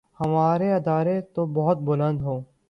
ہمارے ارادے تو بہت بلند ہوں۔